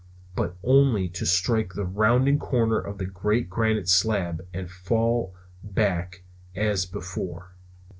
But only to strike the rounding corner of the great granite slab and fall back as before.